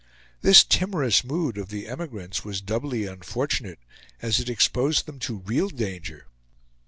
This timorous mood of the emigrants was doubly unfortunate, as it exposed them to real danger.